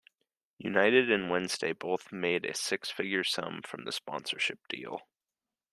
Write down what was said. United and Wednesday both made a six figure sum from the sponsorship deal.